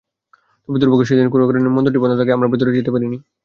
তবে দুর্ভাগ্য, সেদিন কোনো কারণে মন্দিরটি বন্ধ থাকায় আমরা ভেতরে যেতে পারিনি।